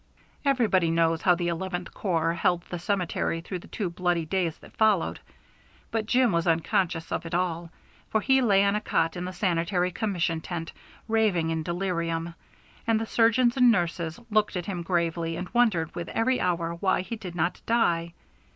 Everybody knows how the Eleventh Corps held the cemetery through the two bloody days that followed. But Jim was unconscious of it all, for he lay on a cot in the Sanitary Commission tent, raving in delirium. And the surgeons and nurses looked at him gravely and wondered with every hour why he did not die.